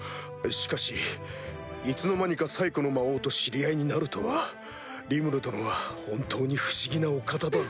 しかしいつの間にか最古の魔王と知り合いになるとはリムル殿は本当に不思議なお方だ。